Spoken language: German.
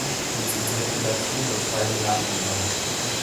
Ich möchte dazu nur zwei Bemerkungen machen.